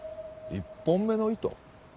１本目の糸？